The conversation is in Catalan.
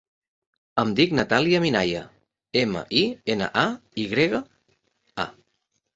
Em dic Natàlia Minaya: ema, i, ena, a, i grega, a.